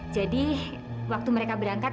jadi waktu mereka berangkat